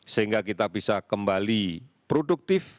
sehingga kita bisa kembali produktif